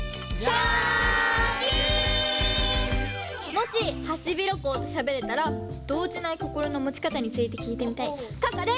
もしハシビロコウとしゃべれたらどうじないこころのもちかたについてきいてみたいここです！